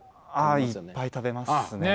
いっぱい食べますね。